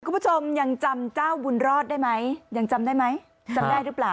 คุณผู้ชมยังจำเจ้าบุญรอดได้ไหมยังจำได้ไหมจำได้หรือเปล่า